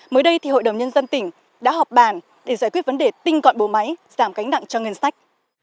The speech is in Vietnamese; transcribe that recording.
mới đây thì hội đồng nhân dân tỉnh đã họp bàn để giải quyết vấn đề tinh gọn bộ máy giảm cánh nặng cho ngân sách